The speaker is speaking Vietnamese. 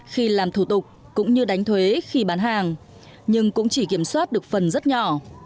khi làm thủ tục cũng như đánh thuế khi bán hàng nhưng cũng chỉ kiểm soát được phần rất nhỏ